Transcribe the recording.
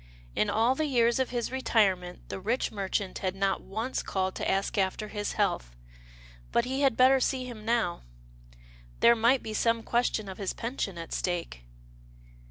In all the years of his retirement the rich merchant had not once called to ask after his health — but he had better see him now. There might be some question of his pension at stake.